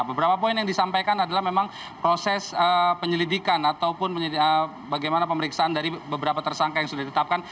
beberapa poin yang disampaikan adalah memang proses penyelidikan ataupun bagaimana pemeriksaan dari beberapa tersangka yang sudah ditetapkan